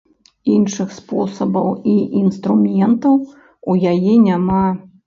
Іншых спосабаў і інструментаў у яе няма.